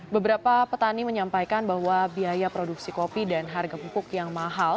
beberapa petani menyampaikan bahwa biaya produksi kopi dan harga pupuk yang mahal